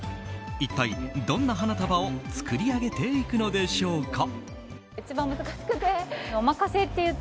一体、どんな花束を作り上げていくのでしょうか？